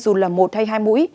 dù là một hay hai mũi